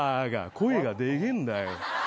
声がでけえんだよ。